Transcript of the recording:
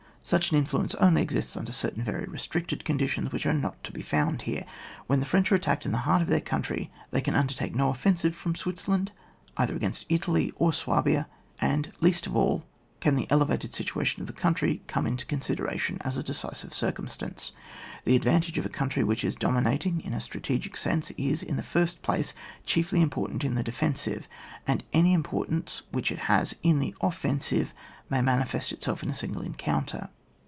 Such an influence only exists under certain very restricted conditions, which are not to be found here. When the French are attacked in the heart of their country they can undertake no offensive from Switzerland, either against Italy or Swabia, and, least of aU, can the elevated situation of the country come into con sideration as a decisive circumstance. The advantage of a countiy which is domi nating in a strategic sense, is, in the first place, chiefly important in the defensive, and any importance which it has in the offensive may manifest itself in a single encounter.